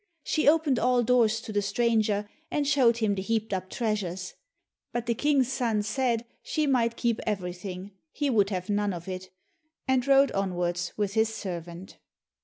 She opened all doors to the stranger and showed him the heaped up treasures. But the King's son said she might keep everything, he would have none of it, and rode onwards with his servant.